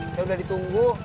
saya udah ditunggu